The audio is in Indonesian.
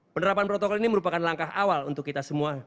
penerapan protokol ini merupakan langkah awal untuk kita semua